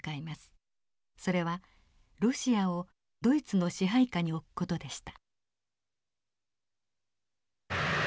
それはロシアをドイツの支配下に置く事でした。